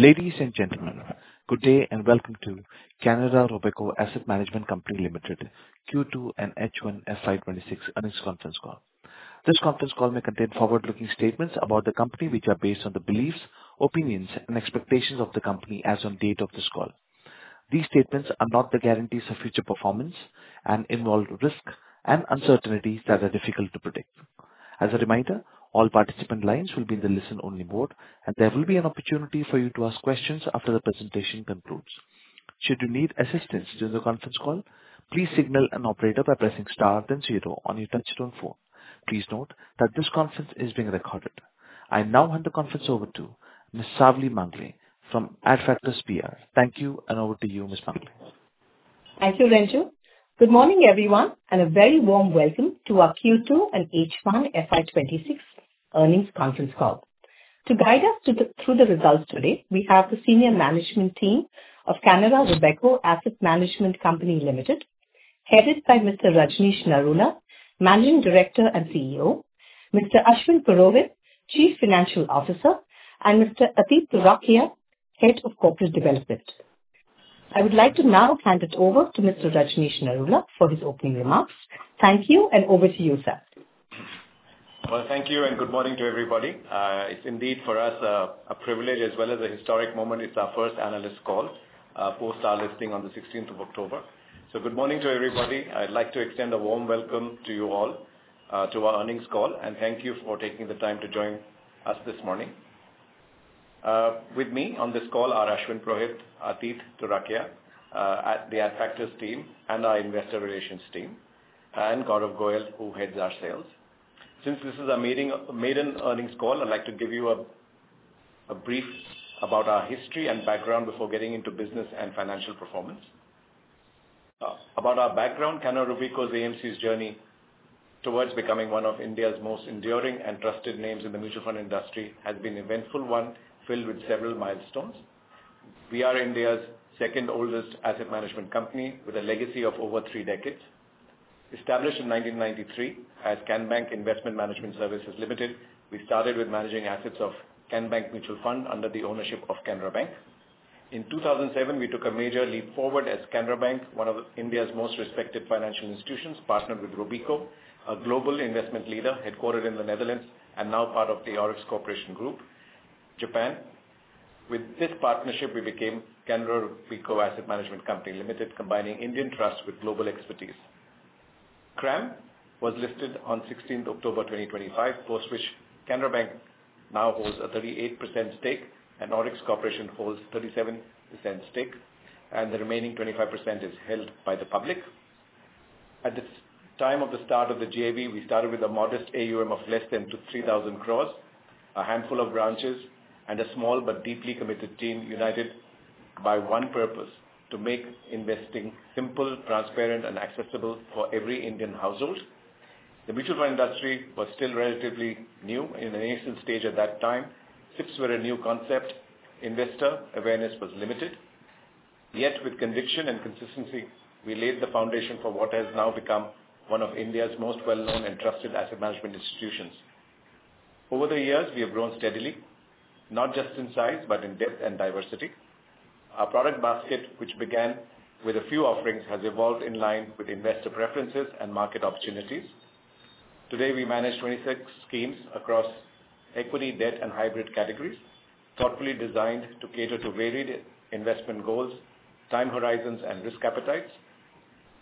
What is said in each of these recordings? Ladies and gentlemen, good day and welcome to Canara Robeco Asset Management Company, Q2 and H1, FY 2026 earnings conference call. This conference call may contain forward-looking statements about the company, which are based on the beliefs, opinions, and expectations of the company as of the date of this call. These statements are not the guarantees of future performance and involve risk and uncertainties that are difficult to predict. As a reminder, all participant lines will be in the listen-only mode, and there will be an opportunity for you to ask questions after the presentation concludes. Should you need assistance during the conference call, please signal an operator by pressing star then zero on your touchstone phone. Please note that this conference is being recorded. I now hand the conference over to Ms. Savli Mangle from Adfactors PR. Thank you, and over to you, Ms. Mangle. Thank you, Ranju. Good morning, everyone, and a very warm welcome to our Q2 and H1, FY 2026 earnings conference call. To guide us through the results today, we have the senior management team of Canara Robeco Asset Management Company Ltd, headed by Mr. Rajnish Narula, Managing Director and CEO, Mr. Ashwin Purohit, Chief Financial Officer, and Mr. Atit Turakhiya, Head of Corporate Development. I would like to now hand it over to Mr. Rajnish Narula for his opening remarks. Thank you, and over to you, sir. Thank you, and good morning to everybody. It is indeed for us a privilege as well as a historic moment. It is our first analyst call post our listing on the 16th of October. Good morning to everybody. I would like to extend a warm welcome to you all to our earnings call, and thank you for taking the time to join us this morning. With me on this call are Ashwin Purohit, Atit Turakhiya at the Adfactors team, our investor relations team, and Gaurav Goyal, who heads our sales. Since this is a maiden earnings call, I would like to give you a brief about our history and background before getting into business and financial performance. About our background, Canara Robeco Asset Management Company's journey towards becoming one of India's most enduring and trusted names in the mutual fund industry has been an eventful one filled with several milestones. We are India's second-oldest asset management company with a legacy of over three decades. Established in 1993 as Canbank Investment Management Services Ltd, we started with managing assets of Canbank Mutual Fund under the ownership of Canara Bank. In 2007, we took a major leap forward as Canara Bank, one of India's most respected financial institutions, partnered with Robeco, a global investment leader headquartered in the Netherlands and now part of the Orix Corporation Group, Japan. With this partnership, we became Canara Robeco Asset Management Company Ltd, combining Indian trust with global expertise. CRAM was listed on 16 October 2025, post which Canara Bank now holds a 38% stake, and Orix Corporation holds a 37% stake, and the remaining 25% is held by the public. At the time of the start of the GAB, we started with a modest AUM of less than 3,000 crore, a handful of branches, and a small but deeply committed team united by one purpose: to make investing simple, transparent, and accessible for every Indian household. The mutual fund industry was still relatively new in a nascent stage at that time. SIPs were a new concept. Investor awareness was limited. Yet, with conviction and consistency, we laid the foundation for what has now become one of India's most well-known and trusted asset management institutions. Over the years, we have grown steadily, not just in size but in depth and diversity. Our product basket, which began with a few offerings, has evolved in line with investor preferences and market opportunities. Today, we manage 26 schemes across equity, debt, and hybrid categories, thoughtfully designed to cater to varied investment goals, time horizons, and risk appetites.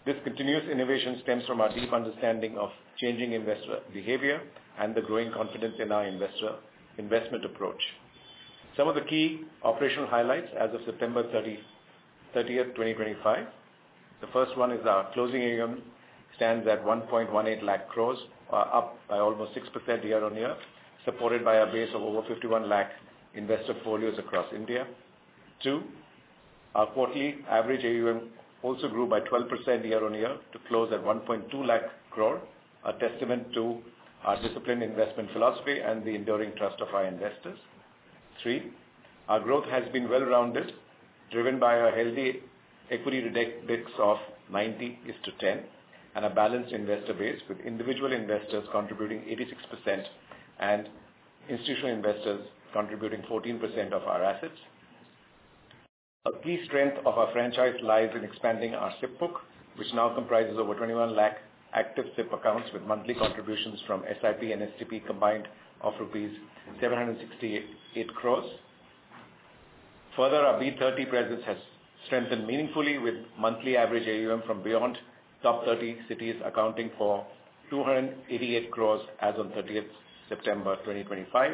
This continuous innovation stems from our deep understanding of changing investor behavior and the growing confidence in our investor investment approach. Some of the key operational highlights as of September 30th, 2025: the first one is our closing AUM stands at 1.18 lakh crore, up by almost 6% year-on-year, supported by a base of over 51 lakh investor folios across India. Two, our quarterly average AUM also grew by 12% year-on-year to close at 1.2 lakh crore, a testament to our disciplined investment philosophy and the enduring trust of our investors. Three, our growth has been well-rounded, driven by our healthy equity index of 90%-10% and a balanced investor base with individual investors contributing 86% and institutional investors contributing 14% of our assets. A key strength of our franchise lies in expanding our SIP book, which now comprises over 2.1 million active SIP accounts with monthly contributions from SIP and STP combined of rupees 768 crore. Further, our B30 presence has strengthened meaningfully with monthly average AUM from beyond top 30 cities accounting for 288 crore as of 30th September 2025,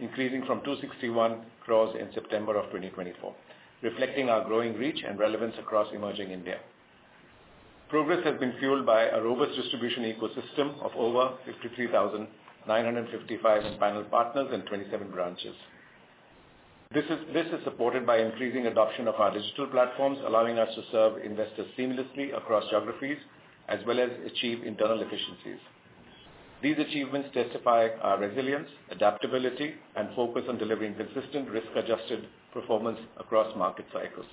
increasing from 261 crore in September of 2024, reflecting our growing reach and relevance across emerging India. Progress has been fueled by a robust distribution ecosystem of over 53,955 panel partners and 27 branches. This is supported by increasing adoption of our digital platforms, allowing us to serve investors seamlessly across geographies as well as achieve internal efficiencies. These achievements testify our resilience, adaptability, and focus on delivering consistent risk-adjusted performance across market cycles.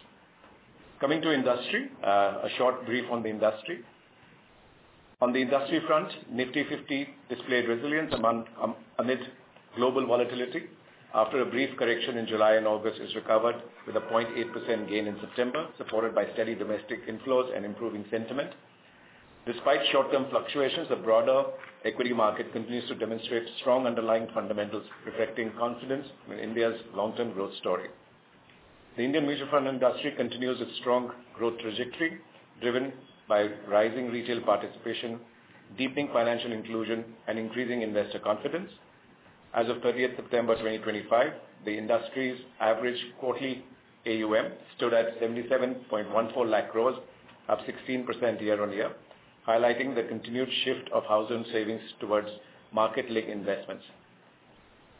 Coming to industry, a short brief on the industry. On the industry front, Nifty 50 displayed resilience amid global volatility after a brief correction in July and August, which recovered with a 0.8% gain in September, supported by steady domestic inflows and improving sentiment. Despite short-term fluctuations, the broader equity market continues to demonstrate strong underlying fundamentals, reflecting confidence in India's long-term growth story. The Indian mutual fund industry continues its strong growth trajectory driven by rising retail participation, deepening financial inclusion, and increasing investor confidence. As of 30th September 2025, the industry's average quarterly AUM stood at 77.14 lakh crore, up 16% year-on-year, highlighting the continued shift of housing savings towards market-linked investments.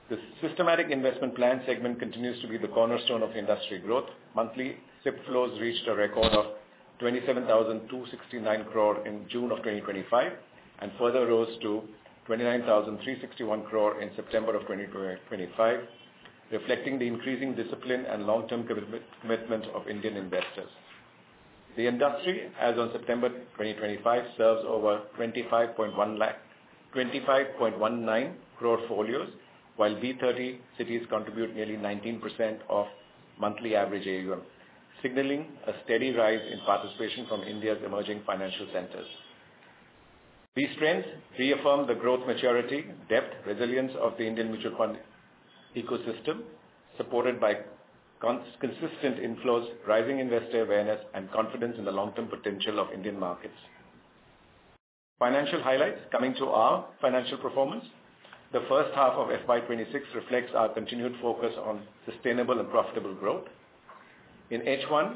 The systematic investment plan segment continues to be the cornerstone of industry growth. Monthly SIP flows reached a record of 27,269 crore in June of 2025 and further rose to 29,361 crore in September of 2025, reflecting the increasing discipline and long-term commitment of Indian investors. The industry, as of September 2025, serves over 25.19 crore folios, while B30 cities contribute nearly 19% of monthly average AUM, signaling a steady rise in participation from India's emerging financial centers. These trends reaffirm the growth maturity, depth, and resilience of the Indian mutual fund ecosystem, supported by consistent inflows, rising investor awareness, and confidence in the long-term potential of Indian markets. Financial highlights coming to our financial performance. The first half of FY 2026 reflects our continued focus on sustainable and profitable growth. In H1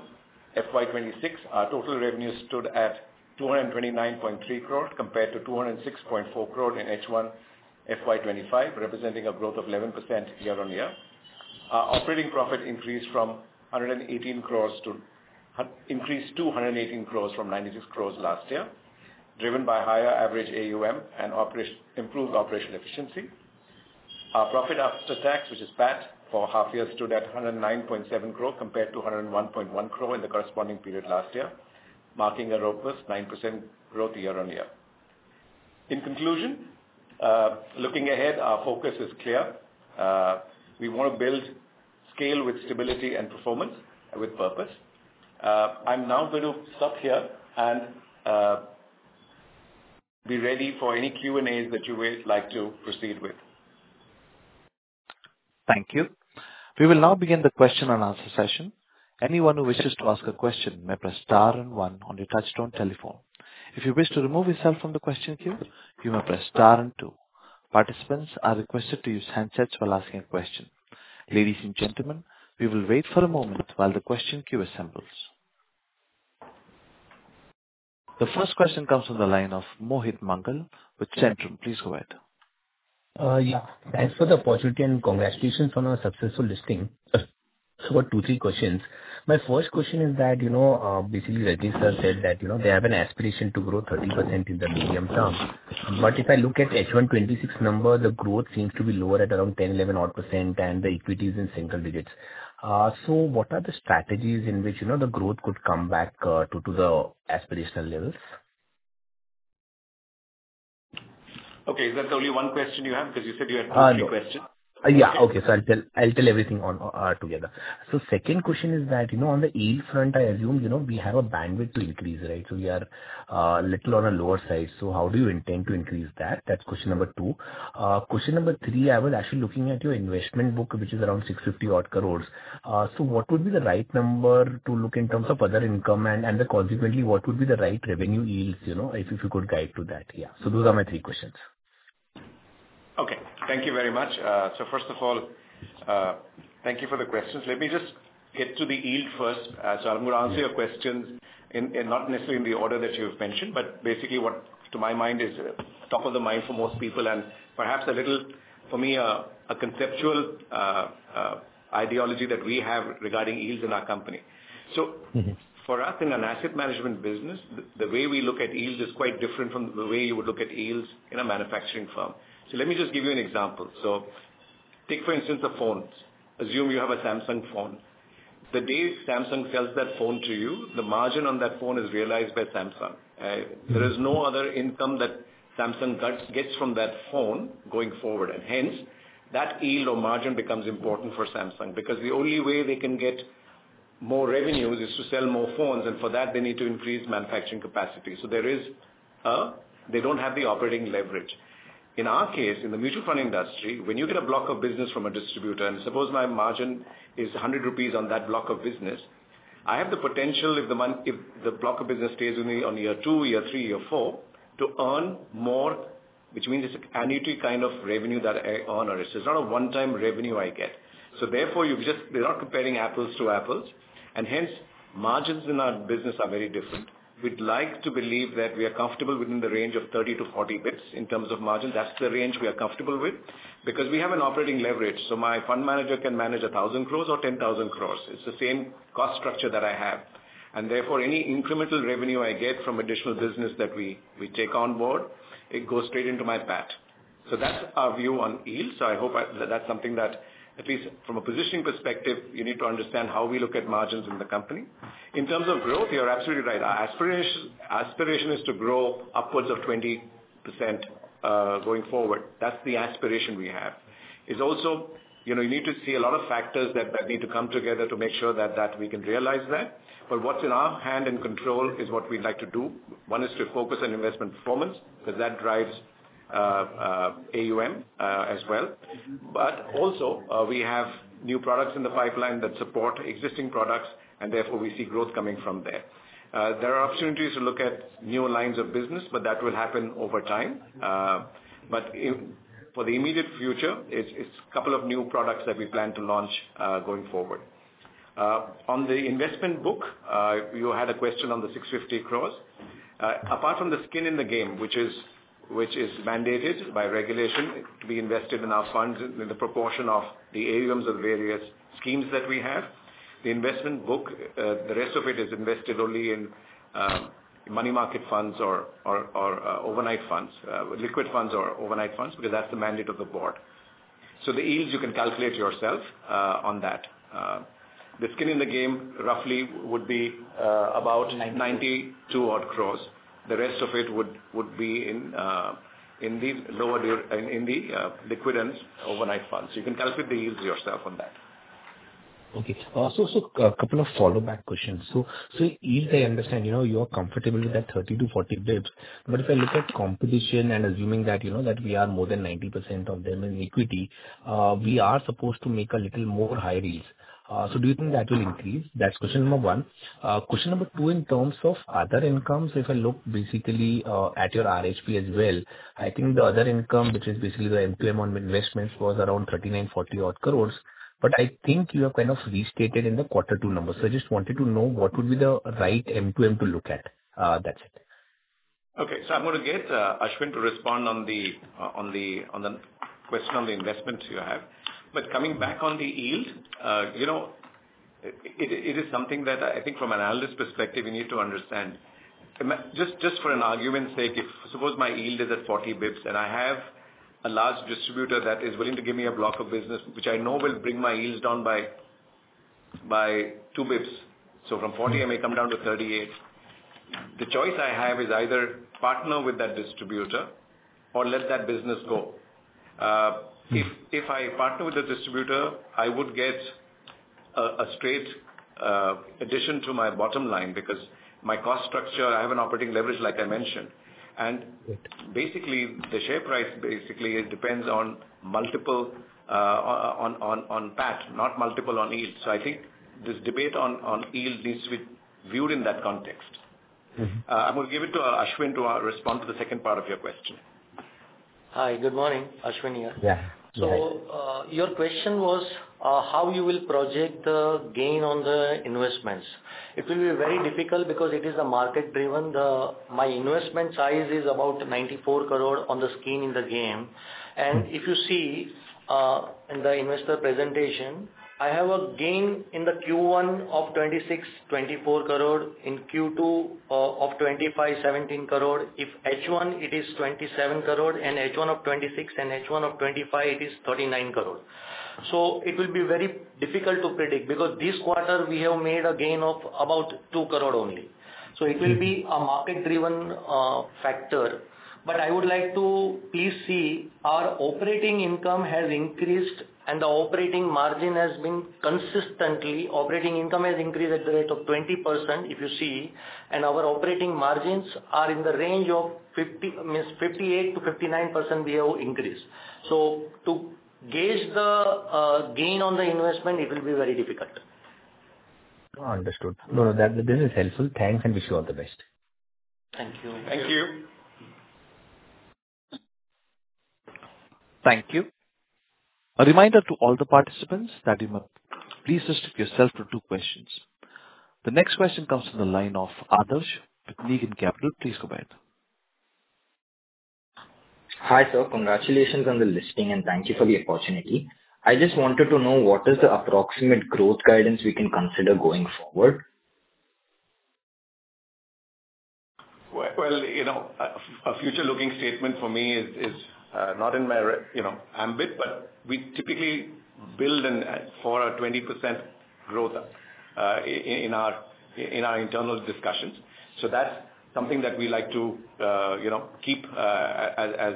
FY 2026, our total revenue stood at 229.3 crore compared to 206.4 crore in H1 FY 2025, representing a growth of 11% year-on-year. Our operating profit increased to 118 crore from 96 crore last year, driven by higher average AUM and improved operational efficiency. Our profit after tax, which is PAT for half-year, stood at 109.7 crore compared to 101.1 crore in the corresponding period last year, marking a robust 9% growth year-on-year. In conclusion, looking ahead, our focus is clear. We want to build scale with stability and performance with purpose. I'm now going to stop here and be ready for any Q&As that you would like to proceed with. Thank you. We will now begin the question and answer session. Anyone who wishes to ask a question may press star and one on your touchstone telephone. If you wish to remove yourself from the question queue, you may press star and two. Participants are requested to use handsets while asking a question. Ladies and gentlemen, we will wait for a moment while the question queue assembles. The first question comes from the line of Mohit Mangal with Centrum. Please go ahead. Yeah. Thanks for the opportunity and congratulations on our successful listing. Just two or three questions. My first question is that, you know, basically, Rajnish, sir, said that, you know, they have an aspiration to grow 30% in the medium term. If I look at H1 2026 number, the growth seems to be lower at around 10%-11% odd, and the equity is in single digits. What are the strategies in which, you know, the growth could come back to the aspirational levels? Okay. Is that the only one question you have? Because you said you had three questions. Yeah. Okay. I'll tell everything together. Second question is that, you know, on the yield front, I assume, you know, we have a bandwidth to increase, right? We are a little on the lower side. How do you intend to increase that? That's question number two. Question number three, I was actually looking at your investment book, which is around 650 crore. What would be the right number to look at in terms of other income? Consequently, what would be the right revenue yields, you know, if you could guide to that? Yeah. Those are my three questions. Okay. Thank you very much. First of all, thank you for the questions. Let me just get to the yield first. I'm going to answer your questions not necessarily in the order that you've mentioned, but basically what, to my mind, is top of the mind for most people and perhaps a little, for me, a conceptual ideology that we have regarding yields in our company. For us in an asset management business, the way we look at yields is quite different from the way you would look at yields in a manufacturing firm. Let me just give you an example. Take, for instance, the phones. Assume you have a Samsung phone. The day Samsung sells that phone to you, the margin on that phone is realized by Samsung. There is no other income that Samsung gets from that phone going forward. Hence, that yield or margin becomes important for Samsung because the only way they can get more revenues is to sell more phones. For that, they need to increase manufacturing capacity. There is a they do not have the operating leverage. In our case, in the mutual fund industry, when you get a block of business from a distributor, and suppose my margin is 100 rupees on that block of business, I have the potential, if the block of business stays with me on year two, year three, year four, to earn more, which means it is an annuity kind of revenue that I earn. It is not a one-time revenue I get. Therefore, you just they are not comparing apples to apples. Hence, margins in our business are very different. We'd like to believe that we are comfortable within the range of 30-40 basis points in terms of margin. That's the range we are comfortable with because we have an operating leverage. My fund manager can manage 1,000 crore or 10,000 crore. It's the same cost structure that I have. Therefore, any incremental revenue I get from additional business that we take on board goes straight into my PAT. That's our view on yield. I hope that that's something that, at least from a positioning perspective, you need to understand how we look at margins in the company. In terms of growth, you're absolutely right. Our aspiration is to grow upwards of 20% going forward. That's the aspiration we have. It's also, you know, you need to see a lot of factors that need to come together to make sure that we can realize that. What's in our hand and control is what we'd like to do. One is to focus on investment performance because that drives AUM as well. Also, we have new products in the pipeline that support existing products, and therefore, we see growth coming from there. There are opportunities to look at new lines of business, but that will happen over time. For the immediate future, it's a couple of new products that we plan to launch going forward. On the investment book, you had a question on the 650 crore. Apart from the skin in the game, which is mandated by regulation to be invested in our funds in the proportion of the AUMs of various schemes that we have, the investment book, the rest of it is invested only in money market funds or overnight funds, liquid funds or overnight funds because that is the mandate of the board. The yields, you can calculate yourself on that. The skin in the game roughly would be about 92 crore. The rest of it would be in the liquid and overnight funds. You can calculate the yields yourself on that. Okay. Also, a couple of follow-up questions. Yields, I understand, you know, you are comfortable with that 30-40 basis points. If I look at competition and assuming that, you know, that we are more than 90% of them in equity, we are supposed to make a little more high yields. Do you think that will increase? That is question number one. Question number two, in terms of other incomes, if I look basically at your RHP as well, I think the other income, which is basically the M2M on investments, was around 39 crore - INR 40 crore. I think you have kind of restated in the quarter two numbers. I just wanted to know what would be the right M2M to look at. That is it. Okay. I'm going to get Ashwin to respond on the question on the investments you have. Coming back on the yield, you know, it is something that I think from an analyst perspective, you need to understand. Just for an argument's sake, if suppose my yield is at 40 basis points and I have a large distributor that is willing to give me a block of business, which I know will bring my yields down by 2 basis points. From 40 basis points, I may come down to 38 basis points. The choice I have is either partner with that distributor or let that business go. If I partner with the distributor, I would get a straight addition to my bottom line because my cost structure, I have an operating leverage, like I mentioned. Basically, the share price basically depends on multiple on PAT, not multiple on yield. I think this debate on yield needs to be viewed in that context. I'm going to give it to Ashwin to respond to the second part of your question. Hi. Good morning. Ashwin here. Yeah. Your question was how you will project the gain on the investments. It will be very difficult because it is market-driven. My investment size is about 94 crore on the skin in the game. If you see in the investor presentation, I have a gain in Q1 of 26.24 crore, in Q2 of 25.17 crore. In H1, it is 27 crore, and H1 of 2026, and H1 of 2025, it is 39 crore. It will be very difficult to predict because this quarter, we have made a gain of about 2 crore only. It will be a market-driven factor. I would like to please see our operating income has increased, and the operating margin has been consistently operating income has increased at the rate of 20% if you see. Our operating margins are in the range of 58%-59%. We have increased. To gauge the gain on the investment, it will be very difficult. Understood. No, no, this is helpful. Thanks, and wish you all the best. Thank you. Thank you. Thank you. A reminder to all the participants that you must please restrict yourself to two questions. The next question comes from the line of Aadarsh with Negen Capital. Please go ahead. Hi, sir. Congratulations on the listing, and thank you for the opportunity. I just wanted to know what is the approximate growth guidance we can consider going forward? A future-looking statement for me is not in my, you know, ambit, but we typically build for a 20% growth in our internal discussions. That is something that we like to, you know, keep as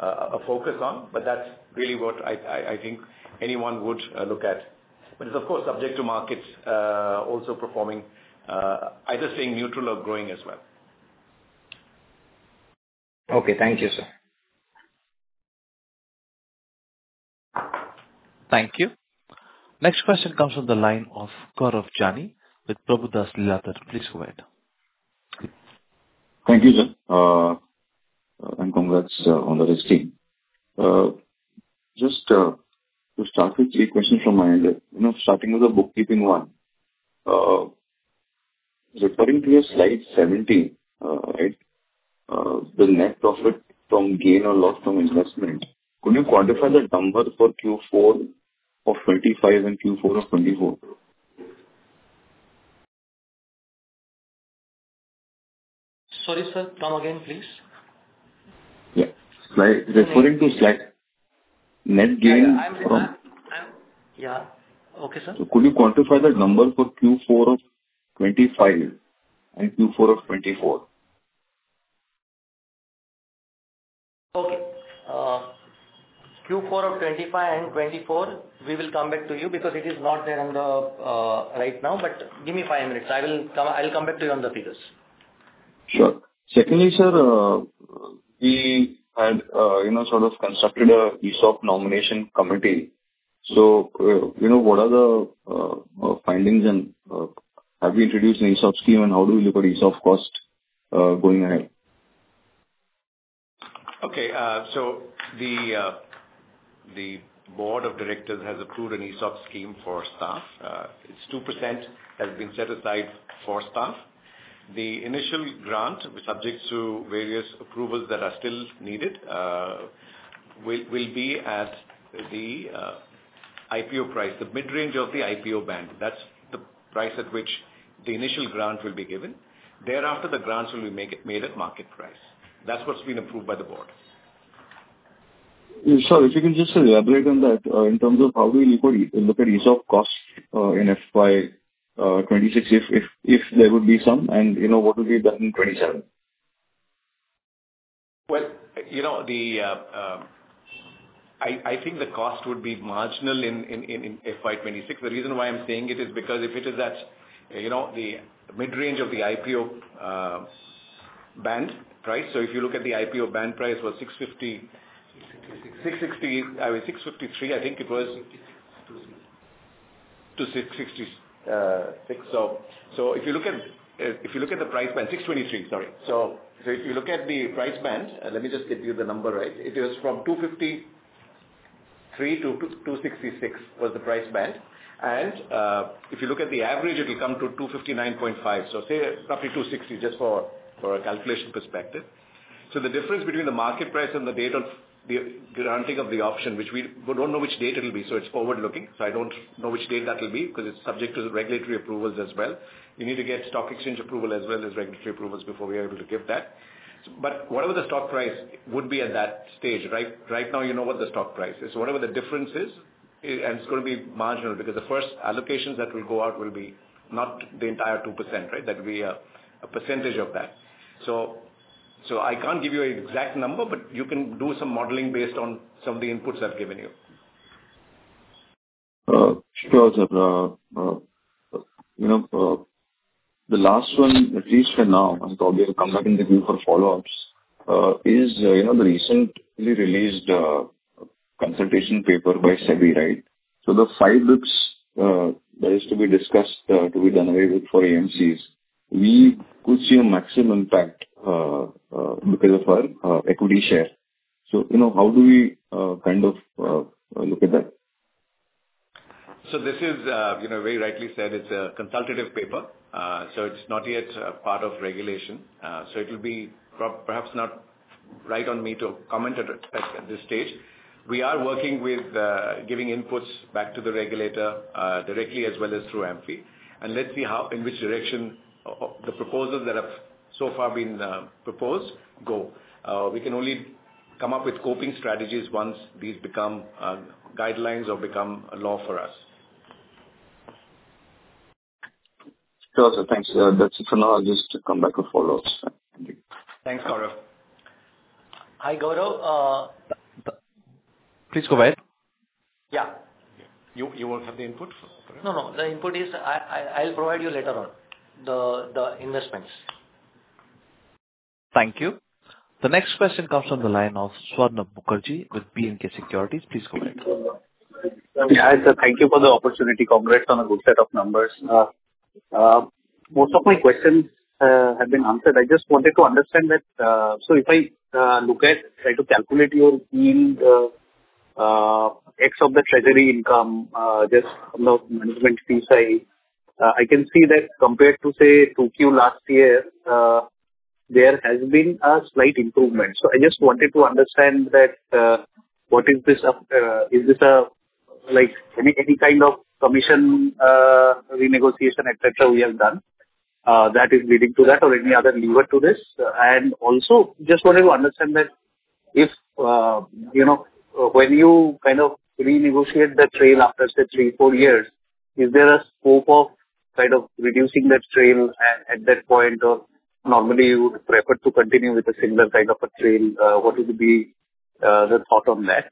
a focus on. That is really what I think anyone would look at. It is, of course, subject to markets also performing, either staying neutral or growing as well. Okay. Thank you, sir. Thank you. Next question comes from the line of Gaurav Jani with Prabhudas Lilladher. Please go ahead. Thank you, sir, and congrats on the listing. Just to start with three questions from my end, you know, starting with the bookkeeping one. Referring to your slide 17, right, the net profit from gain or loss from investment, can you quantify the number for Q4 of 2025 and Q4 of 2024? Sorry, sir. Come again, please. Yeah. Referring to slide, net gain from. Yeah. Okay, sir. Can you quantify the number for Q4 of 2025 and Q4 of 2024? Okay. Q4 of 2025 and 2024, we will come back to you because it is not there right now. Give me five minutes. I will come back to you on the figures. Sure. Secondly, sir, we had, you know, sort of constructed an ESOP nomination committee. You know, what are the findings and have we introduced an ESOP scheme, and how do we look at ESOP cost going ahead? Okay. The board of directors has approved an ESOP scheme for staff. It's 2% has been set aside for staff. The initial grant, subject to various approvals that are still needed, will be at the IPO price, the mid-range of the IPO band. That's the price at which the initial grant will be given. Thereafter, the grants will be made at market price. That's what's been approved by the board. Sorry, if you can just elaborate on that in terms of how we look at ESOP cost in FY 2026, if there would be some, and, you know, what will be done in FY 2027? I think the cost would be marginal in FY 2026. The reason why I'm saying it is because if it is at, you know, the mid-range of the IPO band price. If you look at the IPO band price, it was 650-660, I mean, 653, I think it was. 662. To 666. If you look at the price band, 623, sorry. If you look at the price band, let me just give you the number, right? It is from 253-266 was the price band. If you look at the average, it will come to 259.5. Say roughly 260, just for a calculation perspective. The difference between the market price and the date of granting of the option, which we do not know which date it will be, it is forward-looking. I do not know which date that will be because it is subject to the regulatory approvals as well. You need to get stock exchange approval as well as regulatory approvals before we are able to give that. Whatever the stock price would be at that stage, right now, you know what the stock price is. Whatever the difference is, and it's going to be marginal because the first allocations that will go out will be not the entire 2%, right? That will be a percentage of that. I can't give you an exact number, but you can do some modeling based on some of the inputs I've given you. Sure. Sir, you know, the last one, at least for now, and probably we'll come back in the view for follow-ups, is, you know, the recently released consultation paper by Sebi, right? The five basis points that is to be discussed, to be done away with for AMCs, we could see a maximum impact because of our equity share. You know, how do we kind of look at that? This is, you know, very rightly said, it's a consultative paper. It's not yet part of regulation. It will be perhaps not right on me to comment at this stage. We are working with giving inputs back to the regulator directly as well as through AMFI. Let's see how, in which direction the proposals that have so far been proposed go. We can only come up with coping strategies once these become guidelines or become law for us. Sure. Thanks. That's it for now. Just to come back to follow-ups. Thanks, Gaurav. Hi, Gaurav. Please go ahead. Yeah. You won't have the input? No, no. The input is I'll provide you later on the investments. Thank you. The next question comes from the line of Swarnabha Mukherjee with B&K Securities. Please go ahead. Hi, sir. Thank you for the opportunity. Congrats on a good set of numbers. Most of my questions have been answered. I just wanted to understand that. If I look at, try to calculate your yield, X of the treasury income, just from the management fee side, I can see that compared to, say, 2Q last year, there has been a slight improvement. I just wanted to understand that, is this like any kind of commission renegotiation, et cetera, we have done that is leading to that or any other lever to this? Also, just wanted to understand that if, you know, when you kind of renegotiate the trail after, say, three, four years, is there a scope of kind of reducing that trail at that point, or normally you would prefer to continue with a similar kind of a trail? What would be the thought on that?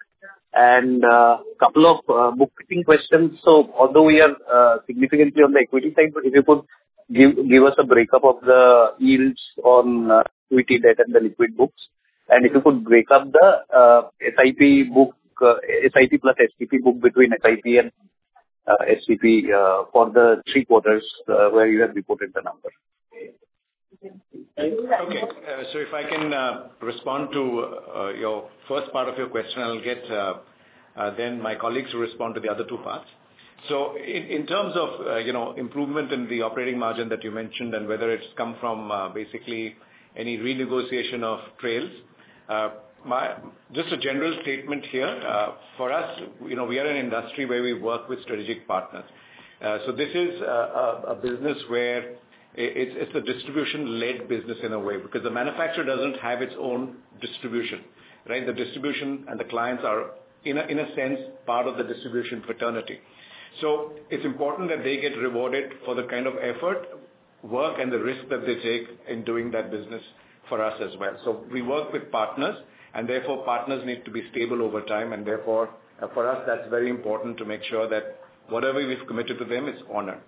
A couple of bookkeeping questions. Although we are significantly on the equity side, if you could give us a breakup of the yields on equity, debt, and the liquid books, and if you could break up the SIP book, SIP plus STP book between SIP and STP for the three quarters where you have reported the number. Okay. If I can respond to your first part of your question, I'll get then my colleagues to respond to the other two parts. In terms of, you know, improvement in the operating margin that you mentioned and whether it's come from basically any renegotiation of trails, just a general statement here. For us, you know, we are an industry where we work with strategic partners. This is a business where it's a distribution-led business in a way because the manufacturer doesn't have its own distribution, right? The distribution and the clients are, in a sense, part of the distribution fraternity. It's important that they get rewarded for the kind of effort, work, and the risk that they take in doing that business for us as well. We work with partners, and therefore partners need to be stable over time. Therefore, for us, that's very important to make sure that whatever we've committed to them is honored.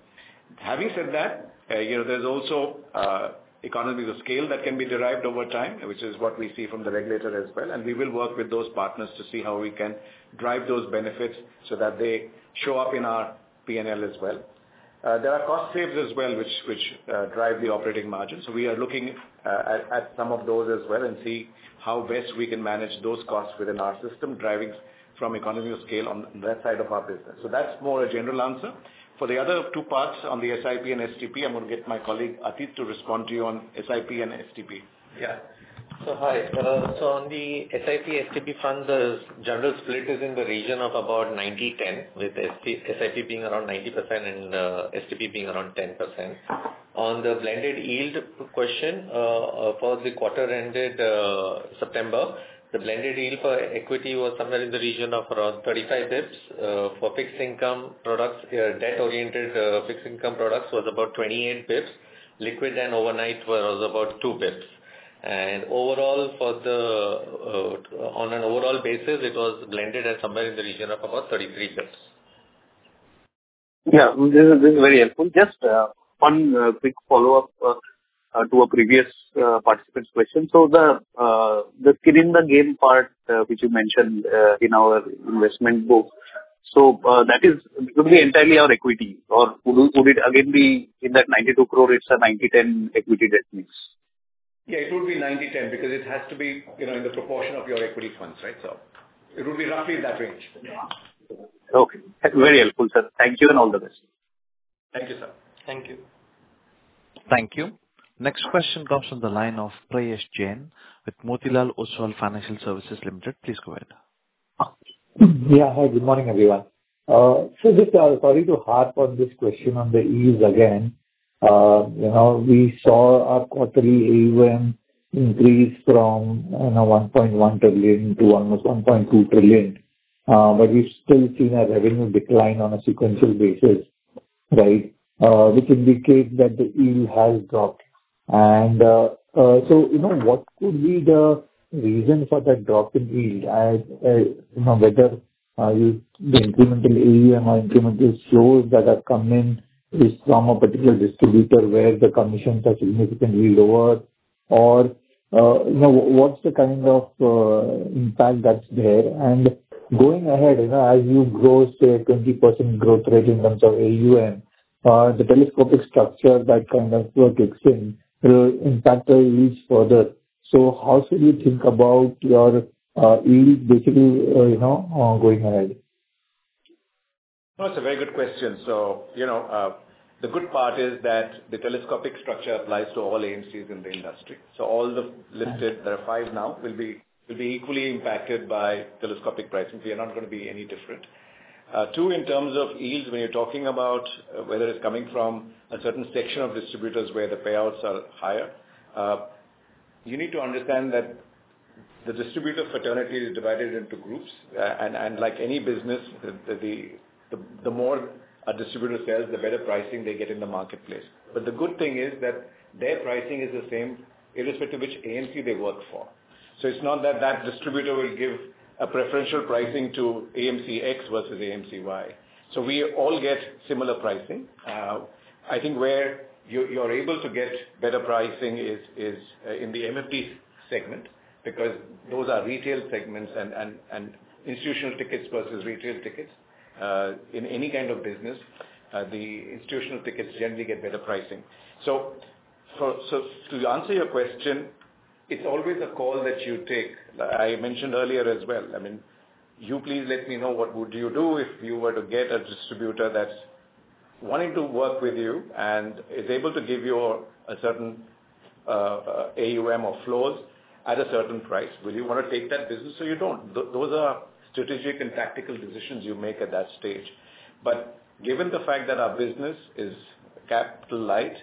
Having said that, you know, there's also economies of scale that can be derived over time, which is what we see from the regulator as well. We will work with those partners to see how we can drive those benefits so that they show up in our P&L as well. There are cost savings as well, which drive the operating margin. We are looking at some of those as well and see how best we can manage those costs within our system, driving from economies of scale on that side of our business. That's more a general answer. For the other two parts on the SIP and STP, I'm going to get my colleague Atit to respond to you on SIP and STP. Yeah. Hi. On the SIP-STP funds, the general split is in the region of about 90%-10%, with SIP being around 90% and STP being around 10%. On the blended yield question, for the quarter-ended September, the blended yield for equity was somewhere in the region of around 35 basis points. For fixed income products, debt-oriented fixed income products was about 28 basis points. Liquid and overnight was about 2 basis points. Overall, on an overall basis, it was blended at somewhere in the region of about 33 basis points. Yeah. This is very helpful. Just one quick follow-up to a previous participant's question. The skin in the game part, which you mentioned in our investment book, is that, would it be entirely our equity, or would it again be in that 92 crore, it's a 90%-10% equity-debt mix? Yeah, it would be 90%-10% because it has to be, you know, in the proportion of your equity funds, right? So it would be roughly in that range. Okay. Very helpful, sir. Thank you and all the best. Thank you, sir. Thank you. Thank you. Next question comes from the line of Prayesh Jain with Motilal Oswal Financial Services Ltd. Please go ahead. Yeah. Hi, good morning, everyone. Sorry to harp on this question on the yields again. You know, we saw our quarterly AUM increase from, you know, 1.1 trillion to almost 1.2 trillion. We have still seen a revenue decline on a sequential basis, right, which indicates that the yield has dropped. You know, what could be the reason for that drop in yield? You know, whether the incremental AUM or incremental flows that have come in is from a particular distributor where the commissions are significantly lower, or, you know, what is the kind of impact that is there? Going ahead, you know, as you grow, say, a 20% growth rate in terms of AUM, the telescopic structure that kind of kicks in will impact the yields further. How should you think about your yield basically, you know, going ahead? It is a very good question. You know, the good part is that the telescopic structure applies to all AMCs in the industry. All the listed, there are five now, will be equally impacted by telescopic pricing. We are not going to be any different. In terms of yields, when you are talking about whether it is coming from a certain section of distributors where the payouts are higher, you need to understand that the distributor fraternity is divided into groups. Like any business, the more a distributor sells, the better pricing they get in the marketplace. The good thing is that their pricing is the same irrespective of which AMC they work for. It is not that the distributor will give a preferential pricing to AMC X versus AMC Y. We all get similar pricing. I think where you're able to get better pricing is in the MFD segment because those are retail segments and institutional tickets versus retail tickets. In any kind of business, the institutional tickets generally get better pricing. To answer your question, it's always a call that you take. I mentioned earlier as well, I mean, you please let me know what would you do if you were to get a distributor that's wanting to work with you and is able to give you a certain AUM or flows at a certain price. Will you want to take that business or you don't? Those are strategic and tactical decisions you make at that stage. Given the fact that our business is capital-light,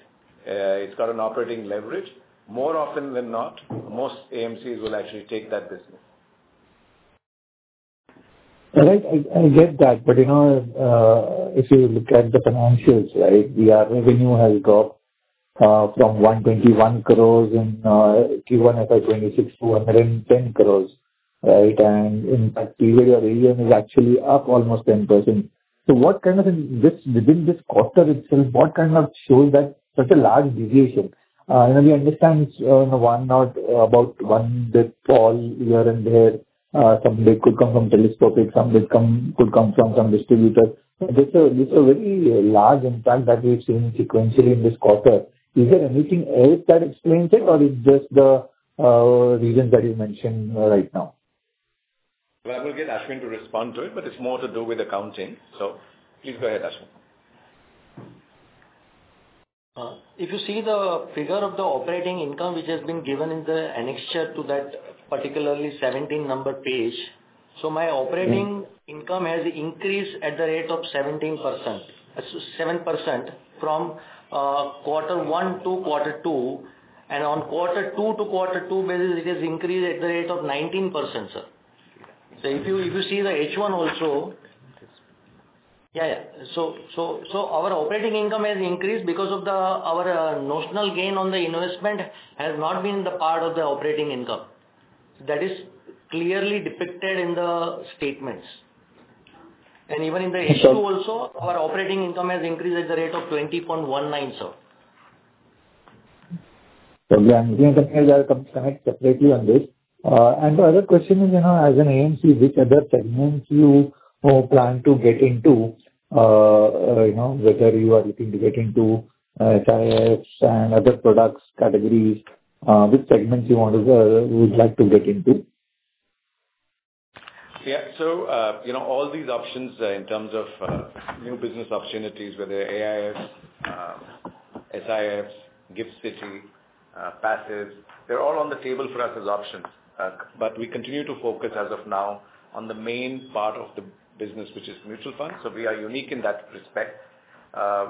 it's got an operating leverage, more often than not, most AMCs will actually take that business. Right. I get that. You know, if you look at the financials, the revenue has dropped from 121 crore in Q1 at 2026 to 110 crore, right? In fact, even your AUM is actually up almost 10%. What kind of, within this quarter itself, what kind of shows that such a large deviation? We understand, you know, one, not about one basis point all year and there. Some basis point could come from telescopic, some basis point could come from some distributor. This is a very large impact that we've seen sequentially in this quarter. Is there anything else that explains it, or it's just the reasons that you mentioned right now? I will get Ashwin to respond to it, but it's more to do with accounting. Please go ahead, Ashwin. If you see the figure of the operating income, which has been given in the annexure to that particularly 17-number page, my operating income has increased at the rate of 17%, 7% from quarter one to quarter two. On quarter two to quarter two basis, it has increased at the rate of 19%, sir. If you see the H1 also, yeah, yeah. Our operating income has increased because our notional gain on the investment has not been the part of the operating income. That is clearly depicted in the statements. Even in the H2 also, our operating income has increased at the rate of 20.19%, sir. We are going to connect separately on this. The other question is, you know, as an AMC, which other segments you plan to get into, you know, whether you are looking to get into SIFs and other products, categories, which segments you would like to get into? Yeah. So, you know, all these options in terms of new business opportunities, whether AIFs, SIFs, GIFT City, passives, they're all on the table for us as options. We continue to focus as of now on the main part of the business, which is mutual funds. We are unique in that respect.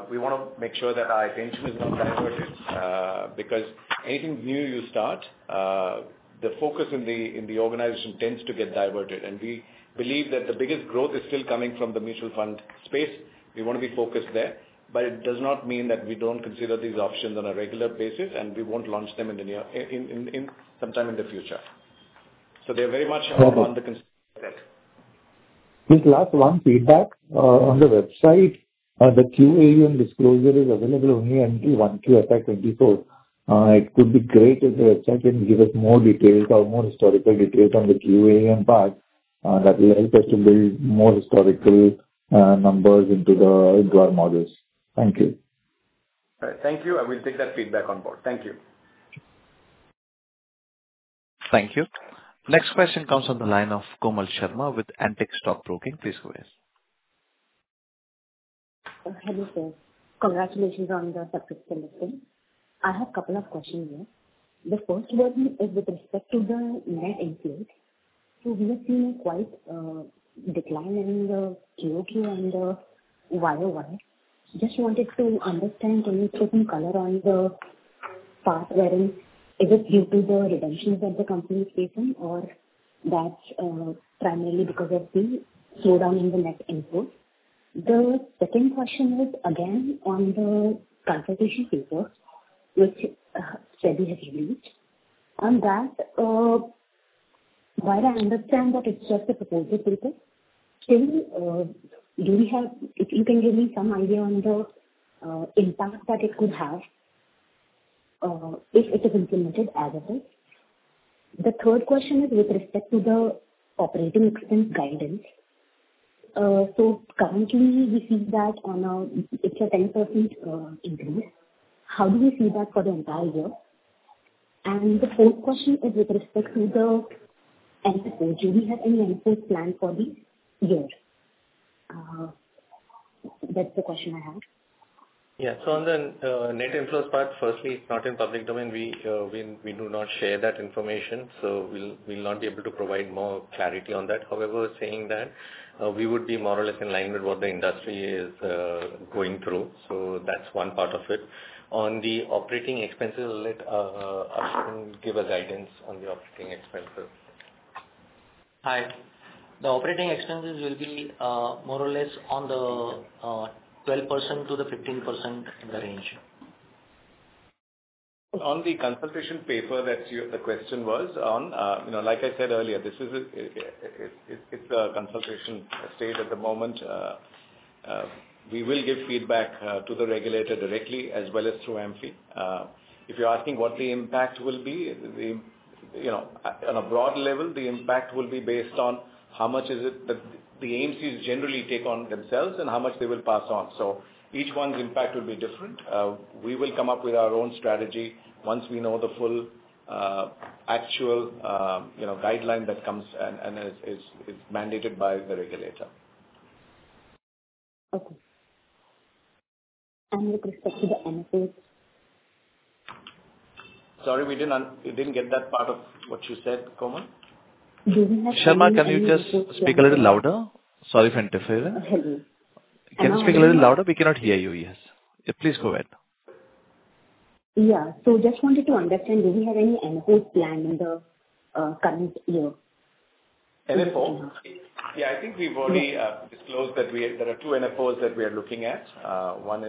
We want to make sure that our attention is not diverted because anything new you start, the focus in the organization tends to get diverted. We believe that the biggest growth is still coming from the mutual fund space. We want to be focused there. It does not mean that we don't consider these options on a regular basis, and we won't launch them sometime in the future. They're very much on the consider. Just last one feedback. On the website, the QA and disclosure is available only until Q1 FY 2024. It would be great if the website can give us more details or more historical details on the QA and parts that will help us to build more historical numbers into our models. Thank you. All right. Thank you. I will take that feedback on board. Thank you. Thank you. Next question comes from the line of Komal Sharma with Antique Stock Broking. Please go ahead. Hello, sir. Congratulations on the successful listing. I have a couple of questions here. The first one is with respect to the net inflow. We have seen quite a decline in the QoQ and the YoY. Just wanted to understand any certain color on the part wherein is it due to the redemptions that the company is facing, or that's primarily because of the slowdown in the net inflow? The second question is again on the consultation paper, which SEBI has released. On that, while I understand that it's just the proposal paper, still, do we have, if you can give me some idea on the impact that it could have if it is implemented as it is? The third question is with respect to the operating expense guidance. Currently, we see that on a, it's a 10% increase. How do we see that for the entire year? The fourth question is with respect to the NFOs. Do we have any NFOs planned for this year? That's the question I have. Yeah. On the net inflows part, firstly, it's not in public domain. We do not share that information. We will not be able to provide more clarity on that. However, saying that, we would be more or less in line with what the industry is going through. That's one part of it. On the operating expenses, let Ashwin give us guidance on the operating expenses. Hi. The operating expenses will be more or less in the 12%-15% range. On the consultation paper that the question was on, you know, like I said earlier, this is a consultation stage at the moment. We will give feedback to the regulator directly as well as through AMFI. If you're asking what the impact will be, you know, on a broad level, the impact will be based on how much is it that the AMCs generally take on themselves and how much they will pass on. So each one's impact will be different. We will come up with our own strategy once we know the full actual, you know, guideline that comes and is mandated by the regulator. Okay. With respect to the NFOs? Sorry, we didn't get that part of what you said, Komal. Do we have any? Sharma, can you just speak a little louder? Sorry for interfering. Hello. Can you speak a little louder? We cannot hear you, yes. Please go ahead. Yeah. Just wanted to understand, do we have any NFOs planned in the coming year? NFOs? Yeah, I think we've already disclosed that there are two NFOs that we are looking at. One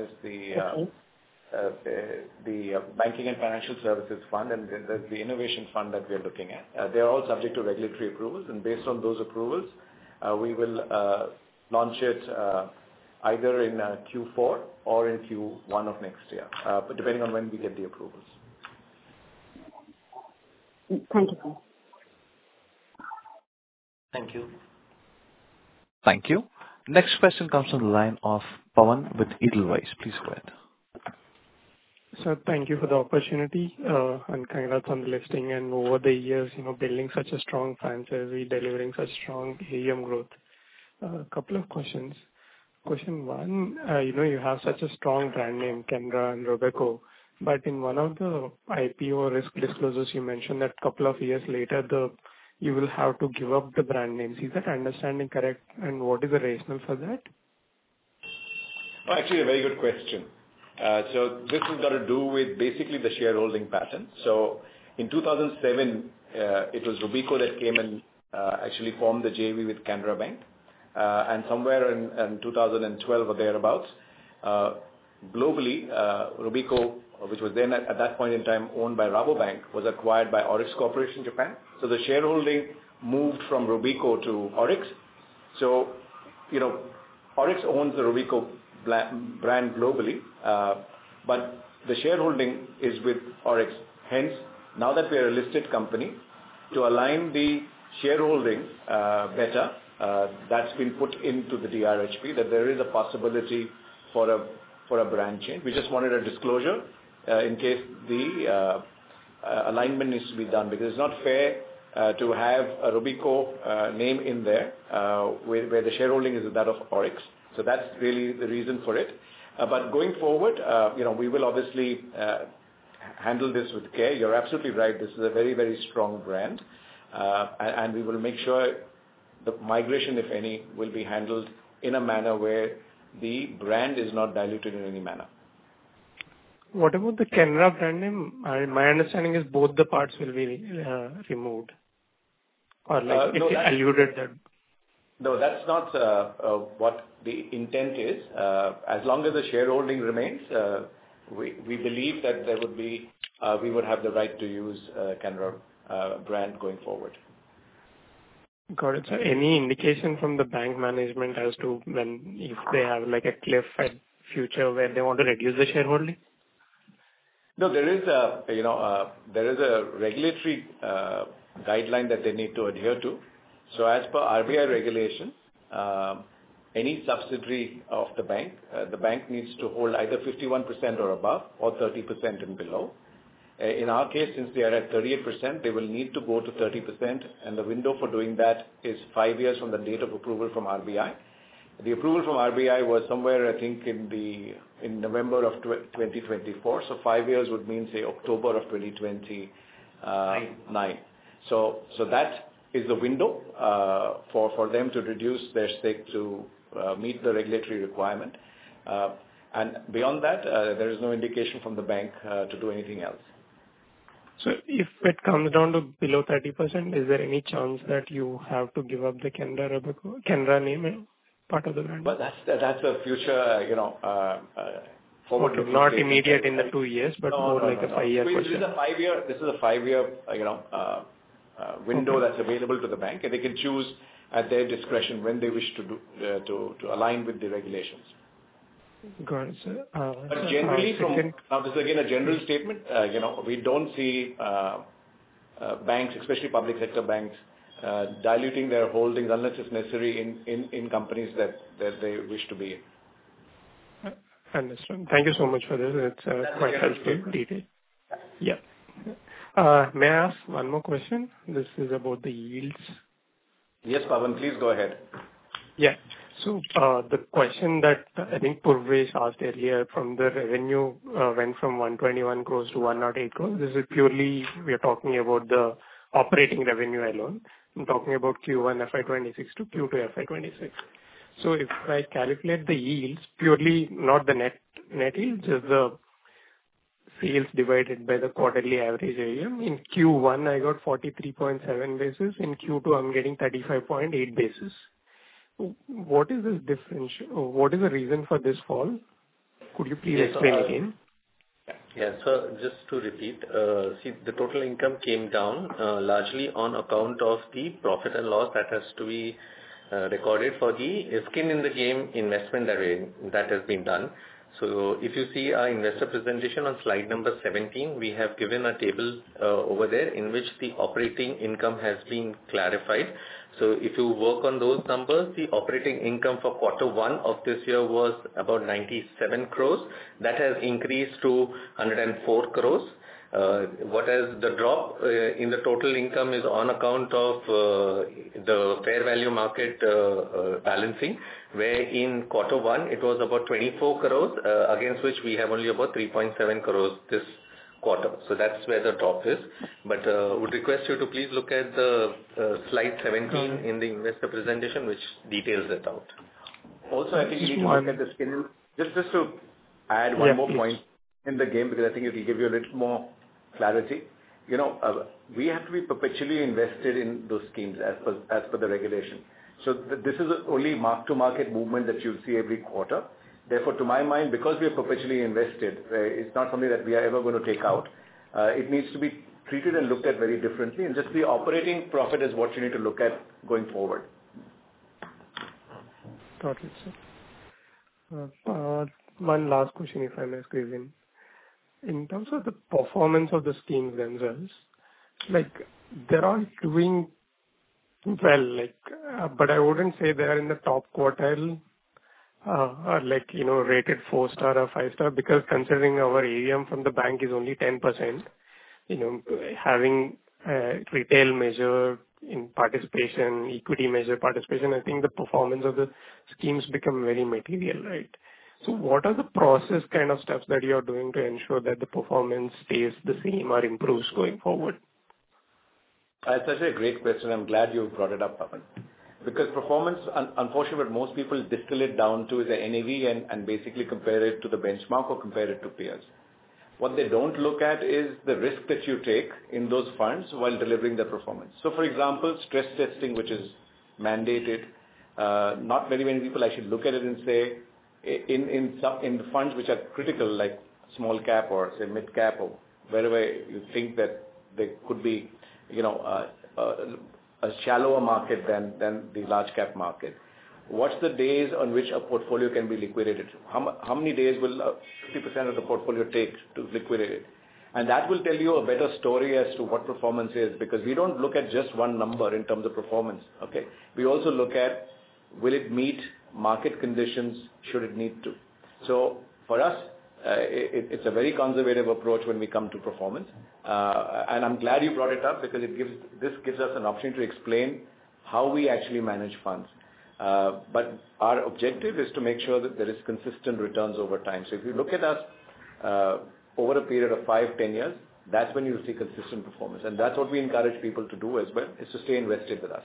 is the Banking and Financial Services Fund, and then there's the Innovation Fund that we are looking at. They are all subject to regulatory approvals. Based on those approvals, we will launch it either in Q4 or in Q1 of next year, depending on when we get the approvals. Thank you, sir. Thank you. Thank you. Next question comes from the line of Pawan with Edelweiss. Please go ahead. Sir, thank you for the opportunity and kind of some listing. And over the years, you know, building such a strong franchise, delivering such strong AUM growth. A couple of questions. Question one, you know, you have such a strong brand name, Canara and Robeco. But in one of the IPO risk disclosures, you mentioned that a couple of years later, you will have to give up the brand name. Is that understanding correct? And what is the rationale for that? Actually, a very good question. This has got to do with basically the shareholding pattern. In 2007, it was Robeco that came and actually formed the JV with Canara Bank. Somewhere in 2012 or thereabouts, globally, Robeco, which was then at that point in time owned by Rabobank, was acquired by Orix Corporation Japan. The shareholding moved from Robeco to Orix. You know, Orix owns the Robeco brand globally, but the shareholding is with Orix. Hence, now that we are a listed company, to align the shareholding better, that's been put into the DRHP, that there is a possibility for a brand change. We just wanted a disclosure in case the alignment needs to be done because it's not fair to have a Robeco name in there where the shareholding is that of Orix. That's really the reason for it. Going forward, you know, we will obviously handle this with care. You're absolutely right. This is a very, very strong brand. We will make sure the migration, if any, will be handled in a manner where the brand is not diluted in any manner. What about the Canara brand name? My understanding is both the parts will be removed or like alluded that. No, that's not what the intent is. As long as the shareholding remains, we believe that we would have the right to use Canara brand going forward. Got it. Any indication from the bank management as to when, if they have like a cliff at future where they want to reduce the shareholding? No, there is a, you know, there is a regulatory guideline that they need to adhere to. As per RBI regulation, any subsidiary of the bank, the bank needs to hold either 51% or above or 30% and below. In our case, since they are at 38%, they will need to go to 30%. The window for doing that is five years from the date of approval from RBI. The approval from RBI was somewhere, I think, in November of 2024. Five years would mean, say, October of 2029. That is the window for them to reduce their stake to meet the regulatory requirement. Beyond that, there is no indication from the bank to do anything else. If it comes down to below 30%, is there any chance that you have to give up the Canara name part of the brand? That's a future, you know, forward. Not immediate in the two years, but more like a five-year question. This is a five-year, this is a five-year, you know, window that's available to the bank. They can choose at their discretion when they wish to align with the regulations. Got it. Generally, from now, this is again a general statement. You know, we don't see banks, especially public sector banks, diluting their holdings unless it's necessary in companies that they wish to be in. Understood. Thank you so much for this. It's quite helpful detail. Yeah. May I ask one more question? This is about the yields. Yes, Pawan, please go ahead. Yeah. The question that I think Purveesh asked earlier, from the revenue went from 121 crore to 108 crore. This is purely, we are talking about the operating revenue alone. I'm talking about Q1 FY 2026 to Q2 FY 2026. If I calculate the yields, purely not the net yields, just the sales divided by the quarterly average AUM, in Q1, I got 43.7 basis points. In Q2, I'm getting 35.8 basis points. What is this differential? What is the reason for this fall? Could you please explain again? Yeah. Just to repeat, see, the total income came down largely on account of the profit and loss that has to be recorded for the skin in the game investment that has been done. If you see our investor presentation on slide number 17, we have given a table over there in which the operating income has been clarified. If you work on those numbers, the operating income for quarter one of this year was about 97 crore. That has increased to 104 crore. What is the drop in the total income is on account of the fair value market balancing, where in quarter one, it was about 24 crore, against which we have only about 3.7 crore this quarter. That is where the drop is. I would request you to please look at slide 17 in the investor presentation, which details it out. Also, I think you need to look at the skin in the game. Just to add one more point in the game, because I think it will give you a little more clarity. You know, we have to be perpetually invested in those schemes as per the regulation. So this is only mark-to-market movement that you'll see every quarter. Therefore, to my mind, because we are perpetually invested, it's not something that we are ever going to take out. It needs to be treated and looked at very differently. Just the operating profit is what you need to look at going forward. Got it, sir. One last question, if I may squeeze in. In terms of the performance of the schemes themselves, like they're all doing well, but I wouldn't say they're in the top quartile or like, you know, rated four-star or five-star because considering our AUM from the bank is only 10%, you know, having retail measure in participation, equity measure participation, I think the performance of the schemes becomes very material, right? What are the process kind of steps that you are doing to ensure that the performance stays the same or improves going forward? That's actually a great question. I'm glad you brought it up, Pawan. Because performance, unfortunately, what most people distill it down to is the NAV and basically compare it to the benchmark or compare it to peers. What they don't look at is the risk that you take in those funds while delivering the performance. For example, stress testing, which is mandated, not very many people actually look at it and say in the funds which are critical, like small cap or, say, mid cap or wherever you think that there could be, you know, a shallower market than the large cap market. What's the days on which a portfolio can be liquidated? How many days will 50% of the portfolio take to liquidate it? That will tell you a better story as to what performance is because we do not look at just one number in terms of performance, okay? We also look at will it meet market conditions should it need to. For us, it is a very conservative approach when we come to performance. I am glad you brought it up because this gives us an opportunity to explain how we actually manage funds. Our objective is to make sure that there are consistent returns over time. If you look at us over a period of 5, 10 years, that is when you will see consistent performance. That is what we encourage people to do as well, is to stay invested with us.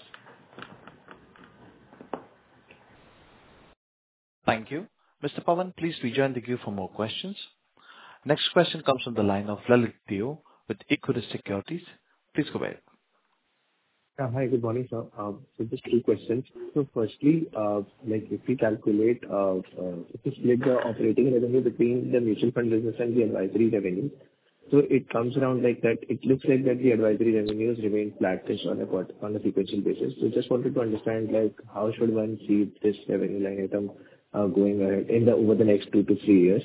Thank you. Mr. Pawan, please rejoin the queue for more questions. Next question comes from the line of Lalit Deo with Equirus Securities. Please go ahead. Hi, good morning, sir. Just two questions. Firstly, if we calculate the operating revenue between the mutual fund business and the advisory revenue, it comes around like that. It looks like the advisory revenues remain flat on a sequential basis. I just wanted to understand how should one see this revenue line item going ahead over the next two to three years.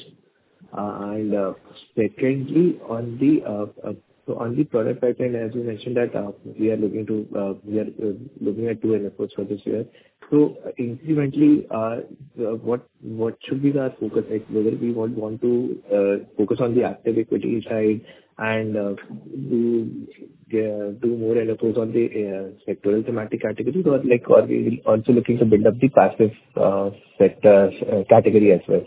Secondly, on the product pipeline, as you mentioned, we are looking at two NFOs for this year. Incrementally, what should be our focus? Like whether we want to focus on the active equity side and do more NFOs on the sectoral thematic categories or are we also looking to build up the passive sector category as well?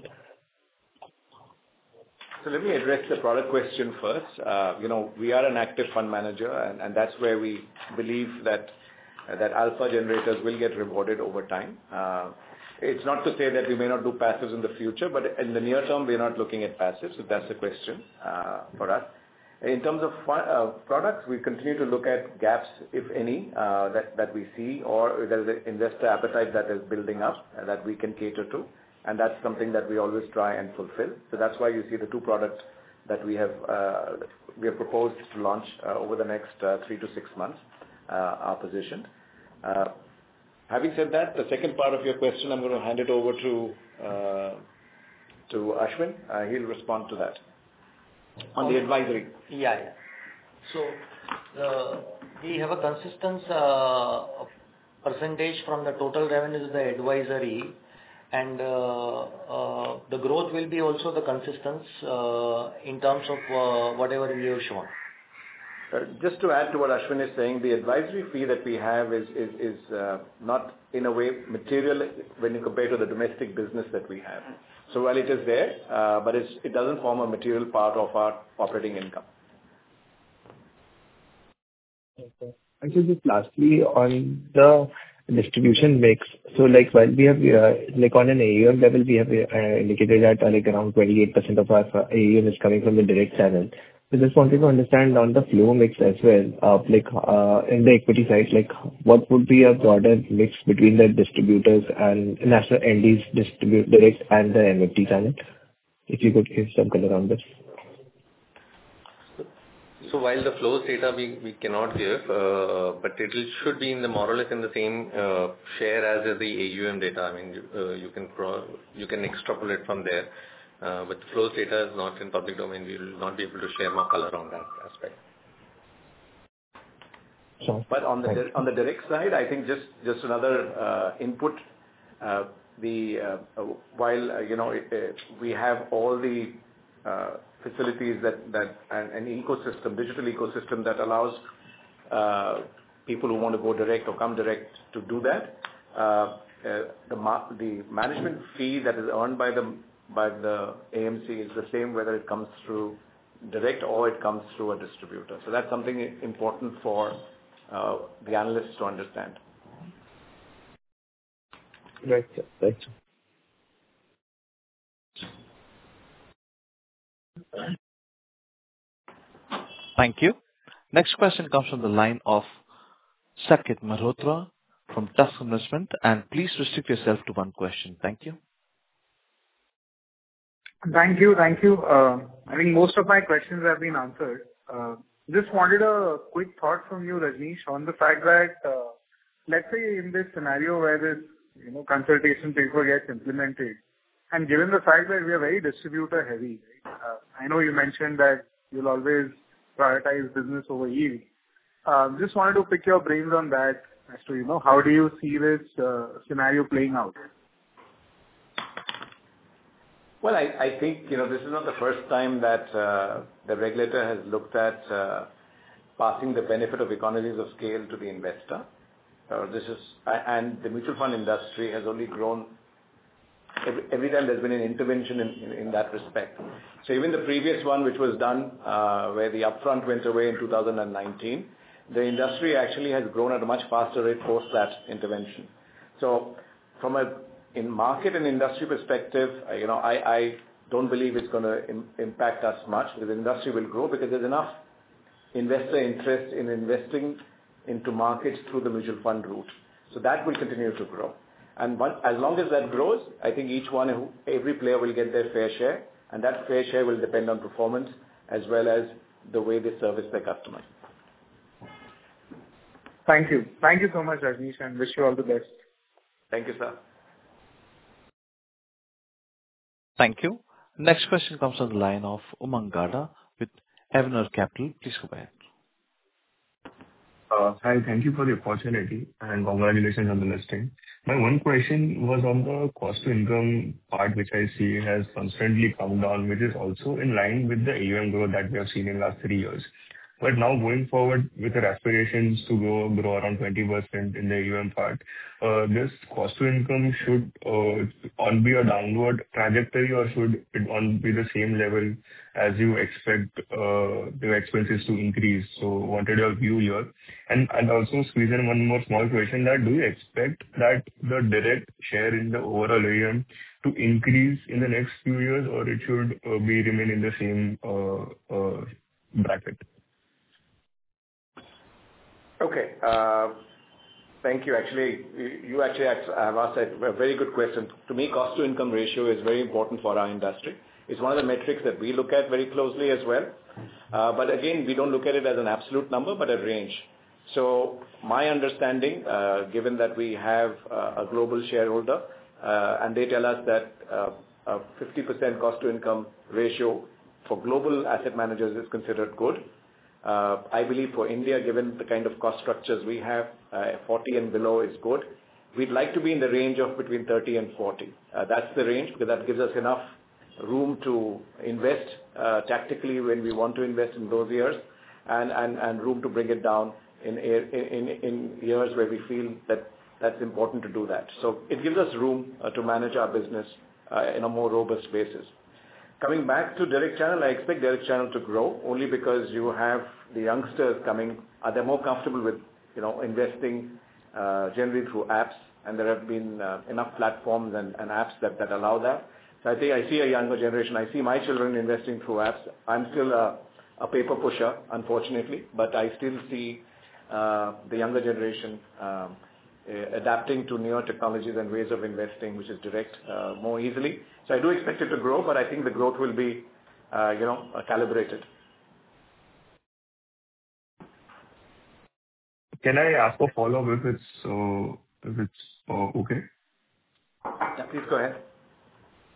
Let me address the product question first. You know, we are an active fund manager, and that's where we believe that alpha generators will get rewarded over time. It's not to say that we may not do passives in the future, but in the near term, we are not looking at passives. That's the question for us. In terms of products, we continue to look at gaps, if any, that we see or there is an investor appetite that is building up that we can cater to. That's something that we always try and fulfill. That's why you see the two products that we have proposed to launch over the next three to six months, our position. Having said that, the second part of your question, I'm going to hand it over to Ashwin. He'll respond to that. On the advisory. Yeah, yeah. We have a consistent percentage from the total revenues of the advisory, and the growth will be also consistent in terms of whatever we have shown. Just to add to what Ashwin is saying, the advisory fee that we have is not in a way material when you compare to the domestic business that we have. While it is there, it does not form a material part of our operating income. Okay. Just lastly, on the distribution mix, while we have on an AUM level, we have indicated that around 28% of our AUM is coming from the direct channel. I just wanted to understand on the flow mix as well, on the equity side, what would be a broader mix between the distributors and the national distributors, direct, and the MFD channel? If you could give some color on this. While the flows data, we cannot give, but it should be more or less in the same share as the AUM data. I mean, you can extrapolate from there. The flows data is not in public domain. We will not be able to share more color on that aspect. On the direct side, I think just another input, while you know we have all the facilities and ecosystem, digital ecosystem that allows people who want to go direct or come direct to do that, the management fee that is earned by the AMC is the same whether it comes through direct or it comes through a distributor. That is something important for the analysts to understand. Right. Thank you. Thank you. Next question comes from the line of Saket Mehrotra from Tusk Investment. Please restrict yourself to one question. Thank you. Thank you. Thank you. I think most of my questions have been answered. Just wanted a quick thought from you, Rajnish, on the fact that let's say in this scenario where this consultation paper gets implemented and given the fact that we are very distributor-heavy, I know you mentioned that you'll always prioritize business over yield. Just wanted to pick your brains on that as to, you know, how do you see this scenario playing out? I think, you know, this is not the first time that the regulator has looked at passing the benefit of economies of scale to the investor. The mutual fund industry has only grown every time there's been an intervention in that respect. Even the previous one, which was done where the upfront went away in 2019, the industry actually has grown at a much faster rate post that intervention. From a market and industry perspective, you know, I don't believe it's going to impact us much because the industry will grow because there's enough investor interest in investing into markets through the mutual fund route. That will continue to grow. As long as that grows, I think each one, every player will get their fair share. That fair share will depend on performance as well as the way they service their customers. Thank you. Thank you so much, Rajnish, and wish you all the best. Thank you, sir. Thank you. Next question comes from the line of Umang Gada with Avener Capital. Please go ahead. Hi, thank you for the opportunity and congratulations on the listing. My one question was on the cost-to-income part, which I see has constantly come down, which is also in line with the AUM growth that we have seen in the last three years. Now going forward with the aspirations to grow around 20% in the AUM part, this cost-to-income should be on a downward trajectory or should it be on the same level as you expect the expenses to increase? I wanted your view here. Also, squeeze in one more small question: do you expect that the direct share in the overall AUM to increase in the next few years or should it remain in the same bracket? Okay. Thank you. Actually, you actually asked a very good question. To me, cost-to-income ratio is very important for our industry. It's one of the metrics that we look at very closely as well. Again, we don't look at it as an absolute number, but a range. My understanding, given that we have a global shareholder and they tell us that a 50% cost-to-income ratio for global asset managers is considered good, I believe for India, given the kind of cost structures we have, 40% and below is good. We'd like to be in the range of between 30%-40%. That's the range because that gives us enough room to invest tactically when we want to invest in those years and room to bring it down in years where we feel that that's important to do that. It gives us room to manage our business in a more robust basis. Coming back to direct channel, I expect direct channel to grow only because you have the youngsters coming. They're more comfortable with investing generally through apps, and there have been enough platforms and apps that allow that. I think I see a younger generation. I see my children investing through apps. I'm still a paper pusher, unfortunately, but I still see the younger generation adapting to newer technologies and ways of investing, which is direct, more easily. I do expect it to grow, but I think the growth will be, you know, calibrated. Can I ask a follow-up if it's okay? Yeah, please go ahead.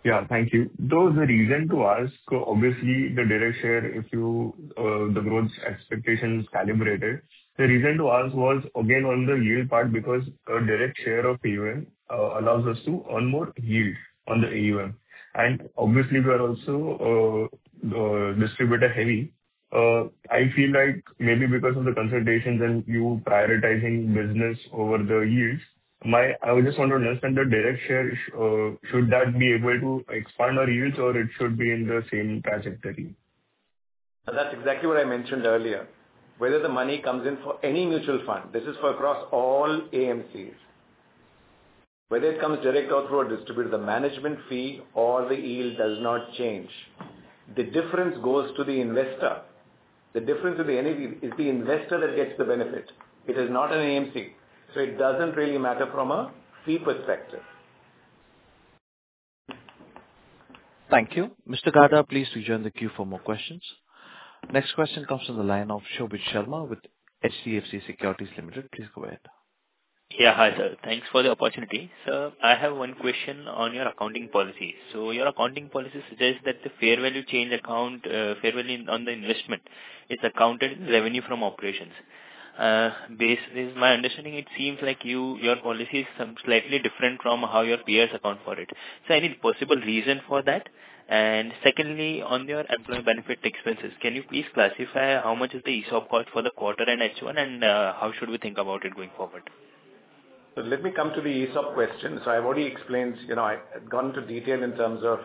Yeah, thank you. The reason to ask, obviously, the direct share, if you the growth expectations calibrated, the reason to ask was again on the yield part because a direct share of AUM allows us to earn more yield on the AUM. Obviously, we are also distributor-heavy. I feel like maybe because of the considerations and you prioritizing business over the yields, I just want to understand the direct share. Should that be able to expand our yields or it should be in the same trajectory? That's exactly what I mentioned earlier. Whether the money comes in for any mutual fund, this is for across all AMCs, whether it comes direct or through a distributor, the management fee or the yield does not change. The difference goes to the investor. The difference with the NAV is the investor that gets the benefit. It is not an AMC. It does not really matter from a fee perspective. Thank you. Mr. Gada, please rejoin the queue for more questions. Next question comes from the line of Shobhit Sharma with HDFC Securities Ltd. Please go ahead. Yeah, hi sir. Thanks for the opportunity. Sir, I have one question on your accounting policy. Your accounting policy suggests that the fair value change account, fair value on the investment is accounted revenue from operations. Based on my understanding, it seems like your policy is slightly different from how your peers account for it. Any possible reason for that? Secondly, on your employee benefit expenses, can you please classify how much is the ESOP cost for the quarter and H1, and how should we think about it going forward? Let me come to the ESOP question. I've already explained, you know, I've gone into detail in terms of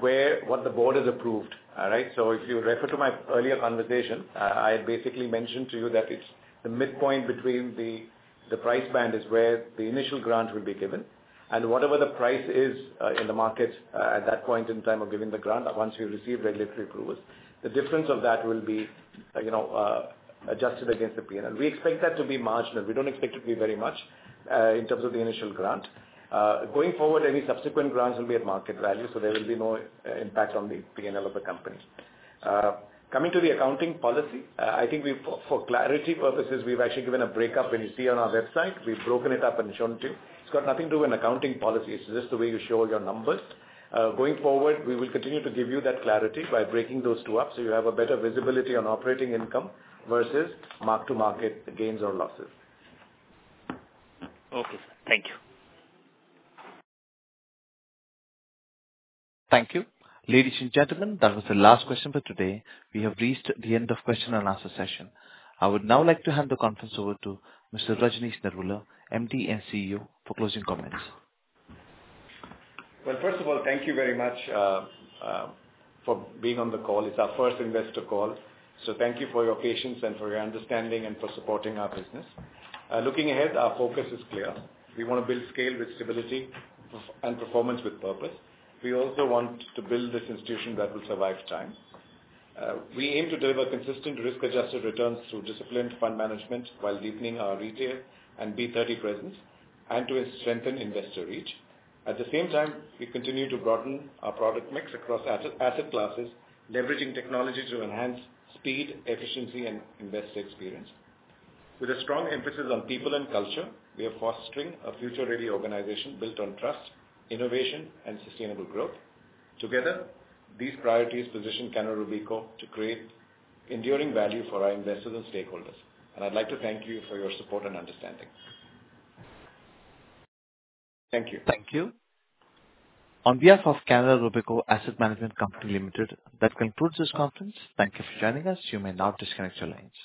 what the board has approved, right? If you refer to my earlier conversation, I had basically mentioned to you that it's the midpoint between the price band is where the initial grant will be given. Whatever the price is in the market at that point in time of giving the grant, once we receive regulatory approvals, the difference of that will be, you know, adjusted against the P&L. We expect that to be marginal. We don't expect it to be very much in terms of the initial grant. Going forward, any subsequent grants will be at market value, so there will be no impact on the P&L of the company. Coming to the accounting policy, I think for clarity purposes, we've actually given a breakup when you see on our website. We've broken it up and shown it to you. It's got nothing to do with accounting policy. It's just the way you show your numbers. Going forward, we will continue to give you that clarity by breaking those two up so you have a better visibility on operating income versus mark-to-market gains or losses. Okay, sir. Thank you. Thank you. Ladies and gentlemen, that was the last question for today. We have reached the end of question and answer session. I would now like to hand the conference over to Mr. Rajnish Narula, MD and CEO, for closing comments. First of all, thank you very much for being on the call. It's our first investor call. Thank you for your patience and for your understanding and for supporting our business. Looking ahead, our focus is clear. We want to build scale with stability and performance with purpose. We also want to build this institution that will survive time. We aim to deliver consistent risk-adjusted returns through disciplined fund management while deepening our retail and B30 presence and to strengthen investor reach. At the same time, we continue to broaden our product mix across asset classes, leveraging technology to enhance speed, efficiency, and investor experience. With a strong emphasis on people and culture, we are fostering a future-ready organization built on trust, innovation, and sustainable growth. Together, these priorities position Canara Robeco to create enduring value for our investors and stakeholders. I would like to thank you for your support and understanding. Thank you. Thank you. On behalf of Canara Robeco Asset Management Company Ltd, that concludes this conference. Thank you for joining us. You may now disconnect your lines.